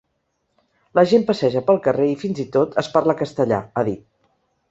La gent passeja pel carrer i, fins i tot, es parla castellà, ha dit.